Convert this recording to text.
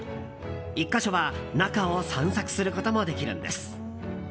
１か所は中を散策することもできるんです。